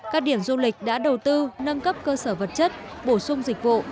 các điểm du lịch đã đầu tư nâng cấp cơ sở vật chất bổ sung dịch vụ